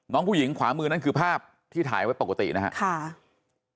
น้องผู้หญิงขวามือนั่นคือภาพที่ถ่ายไว้ปกตินะครับ